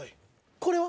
これは？